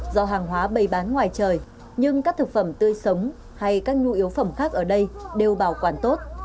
do hàng hóa bày bán ngoài trời nhưng các thực phẩm tươi sống hay các nhu yếu phẩm khác ở đây đều bảo quản tốt